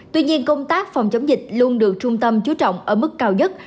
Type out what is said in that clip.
tuy nhiên công tác phòng chống dịch luôn được trung tâm chú trọng ở mức cao nhất